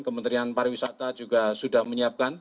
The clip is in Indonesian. kementerian pariwisata juga sudah menyiapkan